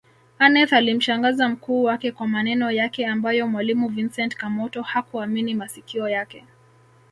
Aneth alimshangaza mkuu wake kwa maneno yake ambayo mwalimu Vincent Kamoto hakuamini masikio yake